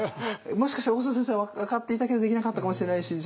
もしかしたら大塩先生分かっていたけどできなかったかもしれないし